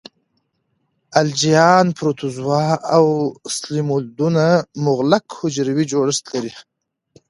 الجیان، پروتوزوا او سلیمولدونه مغلق حجروي جوړښت لري.